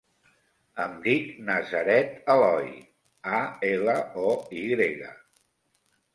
Em dic Nazaret Aloy: a, ela, o, i grega.